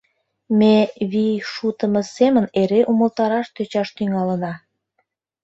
Ме вий шутымо семын эре умылтараш тӧчаш тӱҥалына.